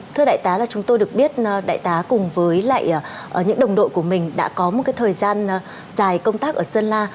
thưa đại tá là chúng tôi được biết đại tá cùng với lại những đồng đội của mình đã có một cái thời gian dài công tác ở sơn la